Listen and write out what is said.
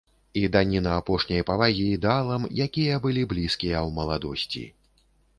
І даніна апошняй павагі ідэалам, якія былі блізкія ў маладосці.